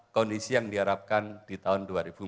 kondisi yang diharapkan di tahun